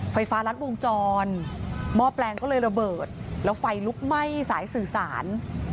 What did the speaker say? ไฟฟ้ารัดวงจรหม้อแปลงก็เลยระเบิดแล้วไฟลุกไหม้สายสื่อสาร